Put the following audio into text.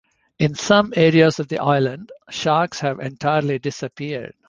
In some areas of the island, sharks have entirely disappeared.